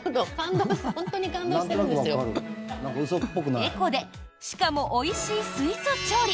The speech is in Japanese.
エコでしかも、おいしい水素調理。